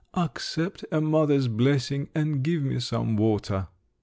"Accept a mother's blessing—and give me some water!"